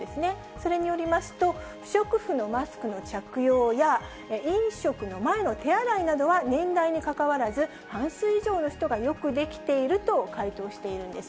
それによりますと、不織布のマスクの着用や、飲食の前の手洗いなどは、年代にかかわらず、半数以上の人がよくできていると回答しているんです。